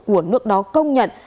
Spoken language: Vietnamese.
của nước đó công nhận